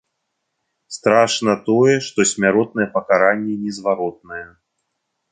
Страшна тое, што смяротнае пакаранне незваротнае.